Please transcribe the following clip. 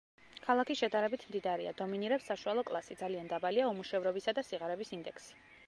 ქალაქი შედარებით მდიდარია, დომინირებს საშუალო კლასი, ძალიან დაბალია უმუშევრობისა და სიღარიბის ინდექსი.